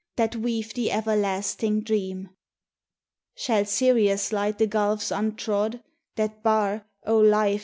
That weave the Everlasting Dream? Shall Sirius light the gulfs untrod That bar, O Life!